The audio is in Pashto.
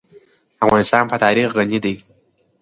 افغانستان په تاریخ غني دی.